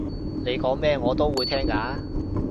你講咩我都會聽㗎